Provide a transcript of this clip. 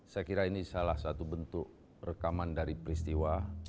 saya kira ini salah satu bentuk rekaman dari peristiwa